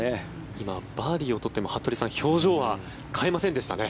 今、バーディーを取っても服部さん、表情は変えませんでしたね。